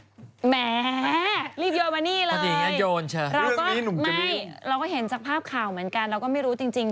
แหมรีบโยนมานี่เลยเราก็ไม่เราก็เห็นจากภาพข่าวเหมือนกันเราก็ไม่รู้จริง